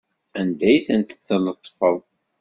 Anda ay tent-tletfeḍ?